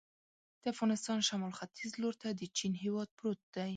د افغانستان شمال ختیځ ته لور ته د چین هېواد پروت دی.